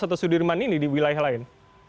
atau sudirman ini di wilayah lain